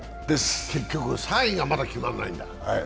結局３位がまだ決まらないんだ。